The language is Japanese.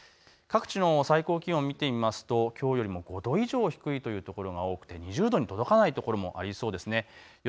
各地の最高気温を見てみるときょうより５度以上低いという所が多くて２０度に届かない所がありそうです。